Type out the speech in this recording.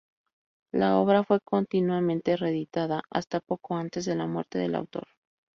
La obra fue continuamente reeditada hasta poco antes de la muerte del autor.